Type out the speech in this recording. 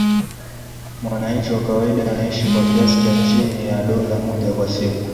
Mwananchi wa kawaida anaishi kwa kiasi cha chini ya dola moja kwa siku